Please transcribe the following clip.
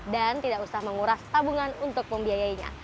dan tidak usah menguras tabungan untuk membiayainya